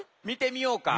みてみよう！